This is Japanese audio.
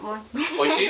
・おいしい？